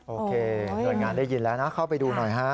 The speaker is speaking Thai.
โอเคหน่วยงานได้ยินแล้วนะเข้าไปดูหน่อยฮะ